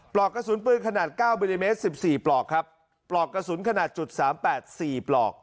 ปลอกกระสุนปืนขนาด๙มิลลิเมตร๑๔ปลอกครับปลอกกระสุนขนาดจุดสามแปดสี่ปลอก